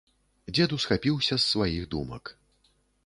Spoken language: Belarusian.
Дзед усхапіўся з сваіх думак.